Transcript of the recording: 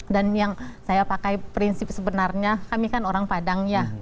dan yang saya pakai prinsip sebenarnya kami kan orang padang ya